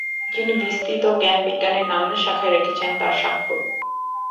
যিনি বিস্তৃত জ্ঞান-বিজ্ঞানের নানা শাখায় রেখেছেন তার স্বাক্ষর।